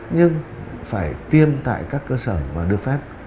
nhưng phải tiêm tại các cơ sở mà được phép